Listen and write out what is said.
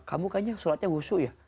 kamu kan sulatnya khusus ya